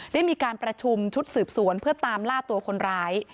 ได้มีการประชุมชุดสืบสวนเพื่อตามล่าตัวคนร้าย